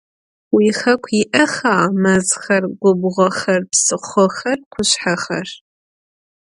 Vuixeku yi'exa mezxer, gubğoxer, psıxhoxer, khuşshexer?